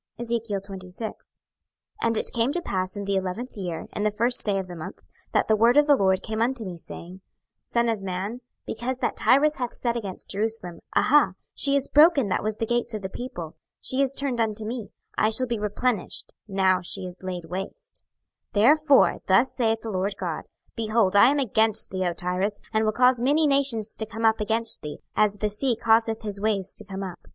26:026:001 And it came to pass in the eleventh year, in the first day of the month, that the word of the LORD came unto me, saying, 26:026:002 Son of man, because that Tyrus hath said against Jerusalem, Aha, she is broken that was the gates of the people: she is turned unto me: I shall be replenished, now she is laid waste: 26:026:003 Therefore thus saith the Lord GOD; Behold, I am against thee, O Tyrus, and will cause many nations to come up against thee, as the sea causeth his waves to come up.